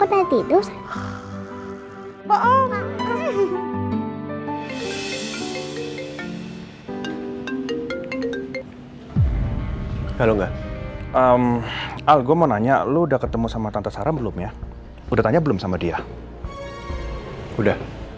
hai kamu mau nanya lu udah ketemu sama tante sarah belum ya udah tanya belum sama dia udah